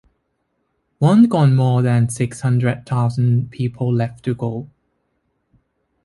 One gone, more than six-hundred-thousand people left to go.